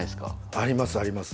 ありますあります